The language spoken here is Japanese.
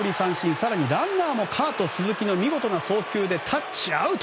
更にランナーもカート・スズキの見事な送球でタッチアウト。